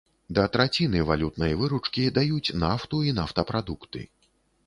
Да траціны валютнай выручкі даюць нафту і нафтапрадукты.